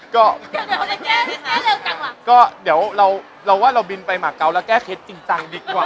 ก็ก็เดี๋ยวเราเราว่าเราบินไปมาเกาะแล้วแก้เคล็ดจริงจังดีกว่า